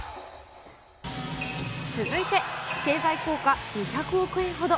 続いて、経済効果２００億円ほど。